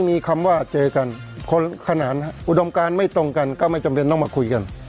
มีคำว่าเจอกันคนละขนาดอุดมการไม่ตรงกันก็ไม่จำเป็นต้องมาคุยกัน